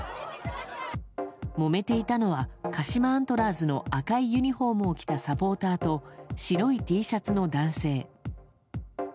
もめていたのは、鹿島アントラーズの赤いユニホームを着たサポーターと、白いＴシャツの男性。